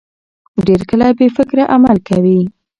ډېر کله بې فکره عمل کوي.